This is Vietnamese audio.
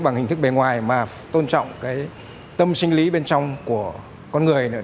bằng hình thức bề ngoài mà tôn trọng cái tâm sinh lý bên trong của con người nữa